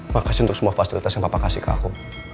makasih untuk semua fasilitas yang bapak kasih ke aku